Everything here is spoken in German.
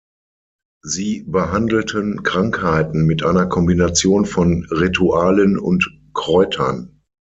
Sie behandelten Krankheiten mit einer Kombination von Ritualen und Kräutern.